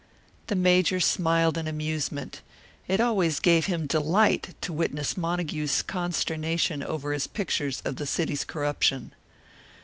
The Major smiled in amusement. It always gave him delight to witness Montague's consternation over his pictures of the city's corruption.